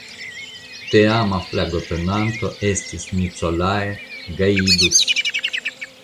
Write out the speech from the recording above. Teama flagotenanto estis "Nicolae Gaiduc".